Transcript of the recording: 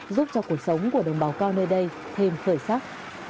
giúp cho cuộc sống của đồng bào cao nơi đây thêm khởi sắc